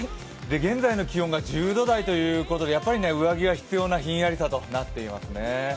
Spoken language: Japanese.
現在の気温が１０度台ということで、上着が必要なひんやりさとなっています。